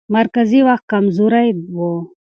مرکزي واک کمزوری و.